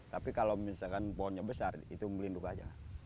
tapi kalau misalkan pohonnya besar itu melinduk aja